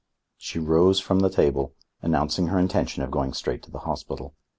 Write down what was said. She rose from the table, announcing her intention of going straight to the hospital.